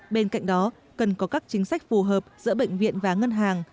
bên cạnh đó cần có các chính sách phù hợp giữa bệnh viện và ngân hàng